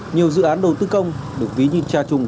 nhiều dự án đầu tư công được ví như cha chung